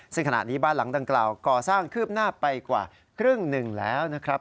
ซึ่งขณะนี้บ้านหลังดังกล่าวก่อสร้างคืบหน้าไปกว่าครึ่งหนึ่งแล้วนะครับ